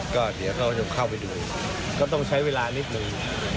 ก็เดี๋ยวเขาจะเข้าไปดูก็ต้องใช้เวลานิดหนึ่ง